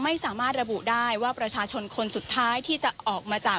ไม่สามารถระบุได้ว่าประชาชนคนสุดท้ายที่จะออกมาจาก